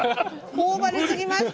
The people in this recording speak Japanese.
頬張りすぎました。